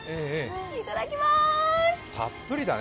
いただきまーす。